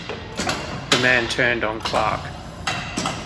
The man turned on Clark.